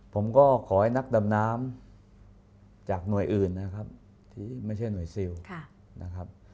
ผมก็ขอให้นักดำน้ำจากหน่วยอื่นนะครับที่ไม่ใช่หน่วยซิลนะครับ